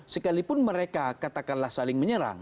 sekalipun mereka katakanlah saling menyerang